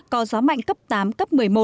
có gió mạnh cấp tám cấp một mươi một